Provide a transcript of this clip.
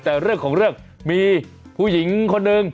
แต่เรื่องของเรื่องมีผู้หญิงคนหนึ่ง